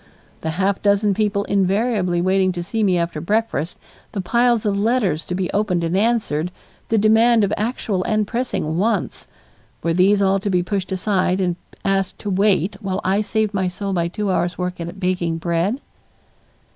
The half dozen people invariably waiting to see me after breakfast, the piles of letters to be opened and answered, the demand of actual and pressing wants were these all to be pushed aside and asked to wait while I saved my soul by two hours' work at baking bread?